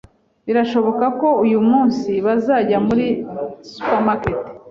Birashoboka ko uyu munsi bazajya muri supermarket.